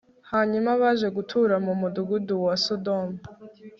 hanyuma baje gutura mu mudugudu wa sodomu